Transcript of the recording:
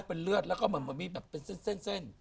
เป็นเลือดแล้วก็มีแบบเป็นเส้น